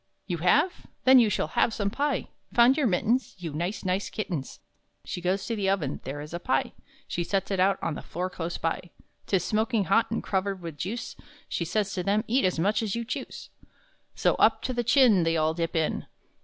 "You have? Then you shall have some pie! Found your mittens? You nice, nice kittens!" She goes to the oven; there is a pie; She sets it out on the floor close by; 'Tis smoking hot, and covered with juice; And she says to them, "Eat as much as you choose." So up to the chin, They all dip in.